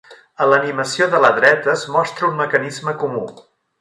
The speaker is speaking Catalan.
A l'animació de la dreta es mostra un mecanisme comú.